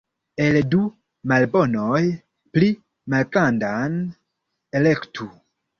El du malbonoj pli malgrandan elektu.